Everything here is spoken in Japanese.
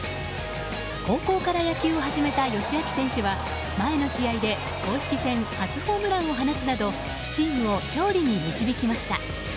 高校から野球を始めた佳亮選手は前の試合で公式戦初ホームランを放つなどチームを勝利に導きました。